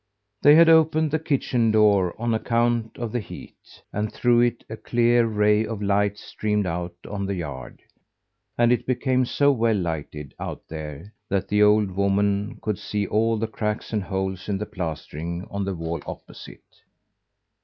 They had opened the kitchen door on account of the heat; and through it a clear ray of light streamed out on the yard; and it became so well lighted out there that the old woman could see all the cracks and holes in the plastering on the wall opposite.